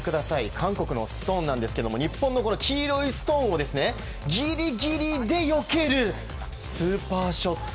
韓国のストーンなんですが日本の黄色いストーンをギリギリでよけるスーパーショット。